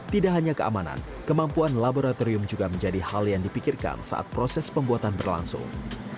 tidak hanya keamanan kemampuan laboratorium juga menjadi hal yang dipikirkan saat proses pembuatan berlangsung